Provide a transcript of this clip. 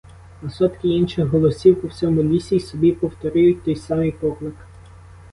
А сотки інших голосів по всьому лісі й собі повторюють той самий поклик.